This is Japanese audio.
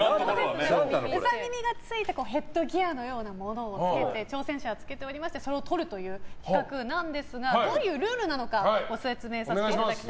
ウサ耳がついたヘッドギアのようなものを挑戦者はつけておりましてそれを取るという企画なんですがどういうルールなのかご説明します。